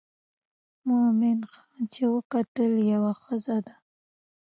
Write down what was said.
مومن خان چې وکتل یوه ښځه ده.